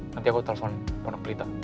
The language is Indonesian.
nanti aku telepon pondok pelita